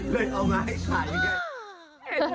เลยเอามาให้ถ่าย